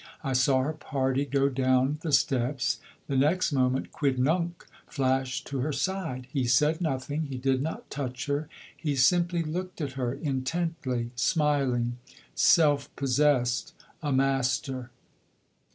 I saw her party go down the steps. The next moment Quidnunc flashed to her side. He said nothing, he did not touch her. He simply looked at her intently, smiling, self possessed, a master.